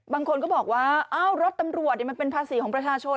บางคนก็บอกว่าอ้าวรถตำรวจมันเป็นภาษีของประชาชน